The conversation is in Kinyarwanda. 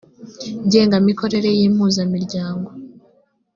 ngenga mikorere y impuzamiryango